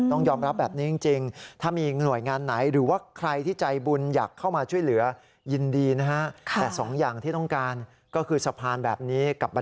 ของอะไรการดูแลอื่นไม่เท่าไหร่